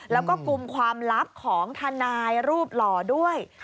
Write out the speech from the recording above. แล้วก็กลุ่มความลับของทนายรูปหล่อด้วย